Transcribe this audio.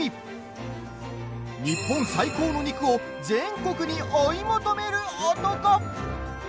日本最高の肉を全国に追い求める男。